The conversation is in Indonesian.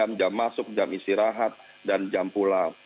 began jeda dua sampai tiga jam jam masuk jam istirahat dan jam pulang